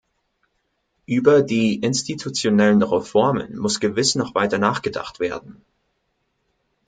Über die institutionellen Reformen muss gewiss noch weiter nachgedacht werden.